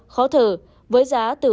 khó thở với giá từ